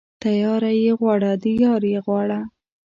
تياره يې غواړه ، د ياره يې غواړه.